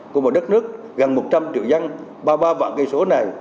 của một đất nước gần một trăm linh triệu dân ba mươi ba vạn cây số này